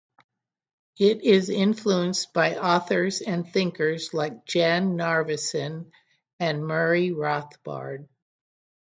It is influenced by authors and thinkers like Jan Narveson and Murray Rothbard.